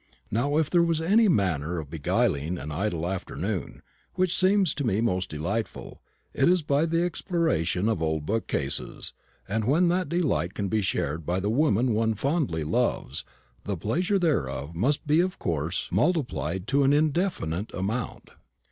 Now if there is any manner of beguiling an idle afternoon, which seems to me most delightful, it is by the exploration of old bookcases; and when that delight can be shared by the woman one fondly loves, the pleasure thereof must be of course multiplied to an indefinite amount.